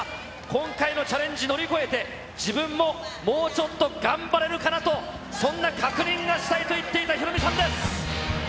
今回のチャレンジ乗り越えて、自分ももうちょっと頑張れるかなと、そんな確認がしたいと言っていたヒロミさんです。